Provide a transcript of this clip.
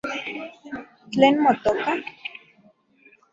¿Tlen motoka?